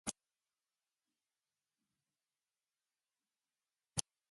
Dahlia began singing onstage in elementary school.